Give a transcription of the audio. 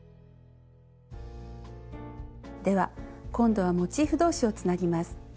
では今度はモチーフ同士をつなぎます。